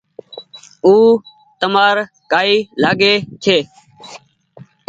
او تمآر ڪآئي لآگي ڇي۔